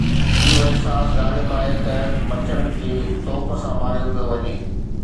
اهو احساس غالب آهي ته مڇرن کي توپ سان ماريو پيو وڃي.